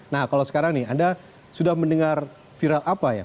nah kalau sekarang nih anda sudah mendengar viral apa ya